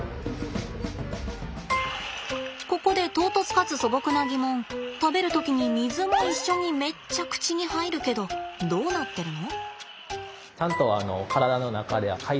ここで唐突かつ素朴な疑問食べる時に水も一緒にめっちゃ口に入るけどどうなってるの？